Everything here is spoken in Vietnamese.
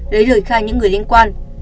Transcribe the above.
lấy lời khai những người liên quan